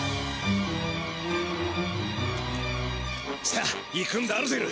さあ行くんだアルゼル。